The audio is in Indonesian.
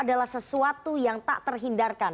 adalah sesuatu yang tak terhindarkan